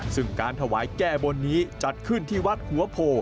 ซึ่งการถวายแก้บนนี้จัดขึ้นที่วัดหัวโพ